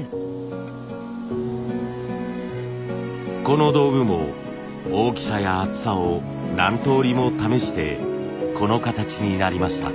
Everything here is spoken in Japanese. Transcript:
この道具も大きさや厚さを何通りも試してこの形になりました。